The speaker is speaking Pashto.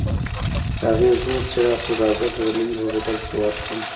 هغې زوړ څراغ سوداګر ته د نوي په بدل کې ورکړ.